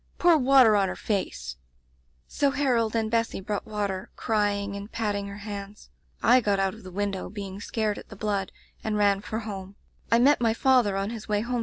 Pour water on her face!* "So Harold and Bessy brought water, cry ing and patting her hands. I got out of the window, being scared at the blood, and ran for home.